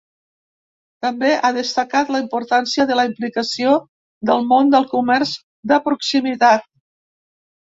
També ha destacat la importància de la implicació del món del comerç de proximitat.